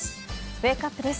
ウェークアップです。